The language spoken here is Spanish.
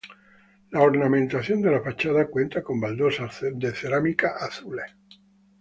La ornamentación de la fachada cuenta con baldosas cerámicas azules.